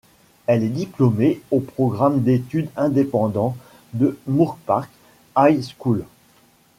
Elle est diplômée au programme d'étude indépendant de Moorpark High School.